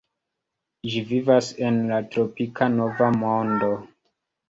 Ĝi vivas en la tropika Nova Mondo.